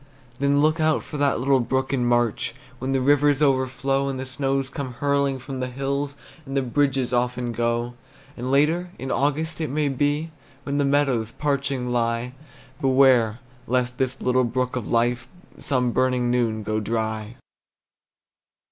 Then look out for the little brook in March, When the rivers overflow, And the snows come hurrying from the hills, And the bridges often go. And later, in August it may be, When the meadows parching lie, Beware, lest this little brook of life Some burning noon go dry!